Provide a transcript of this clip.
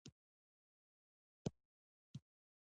• واده د خدای خوښ عمل دی.